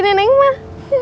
jadi neneng mah